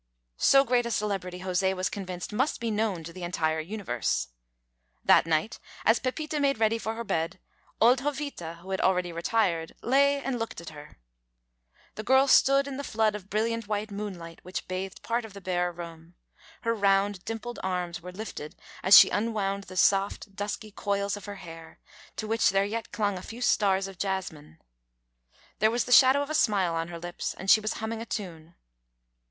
So great a celebrity José was convinced must be known to the entire universe. That night, as Pepita made ready for her bed, old Jovita, who had already retired, lay and looked at her. The girl stood in the flood of brilliant white moonlight which bathed part of the bare room; her round dimpled arms were lifted as she unwound the soft dusky coils of her hair, to which there yet clung a few stars of jasmine. There was the shadow of a smile on her lips, and she was humming a tune.